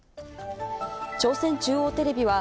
朝鮮中央テレビは、